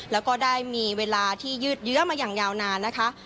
แล้วก็ได้มีเวลาที่ยืดเยื้อมาอย่างยาวนานนะคะ